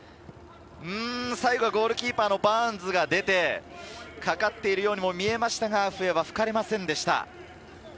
最後はゴールキーパーのバーンズが出て、かかっているように見えましたが、笛は吹かれませんでした。